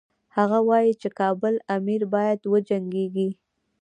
هغه وايي چې کابل امیر باید وجنګیږي.